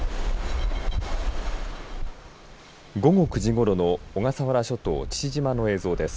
午後９時ごろの小笠原諸島父島の映像です。